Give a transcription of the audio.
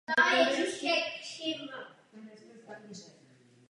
Koncem života se stáhl zcela do ústraní a další umělecké činnosti se veřejně nevěnoval.